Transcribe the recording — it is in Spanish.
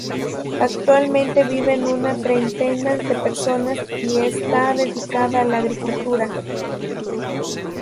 Actualmente viven una treintena de personas y está dedicado a la agricultura.